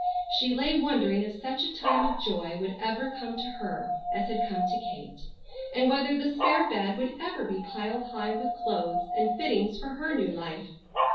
She lay wondering if such a time of joy would ever come to her as had come to Kate, and whether the spare bed would ever be piled high with clothes and fittings for her new life.